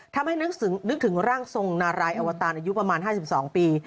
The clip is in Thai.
ทำให้นึกถึงร่างทรงนารายอวตารอายุประมาณ๕๒ปี